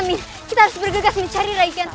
amin kita harus bergegas cari raikanto